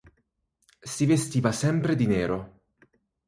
Si vestiva sempre di nero.